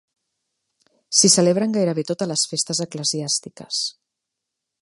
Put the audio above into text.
S'hi celebren gairebé totes les festes eclesiàstiques.